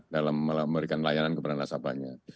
dalam memberikan layanan kepada nasabahnya